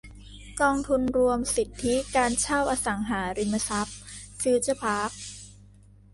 กองทุนรวมสิทธิการเช่าอสังหาริมทรัพย์ฟิวเจอร์พาร์ค